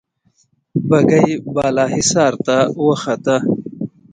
بګۍ بالا حصار ته وخته.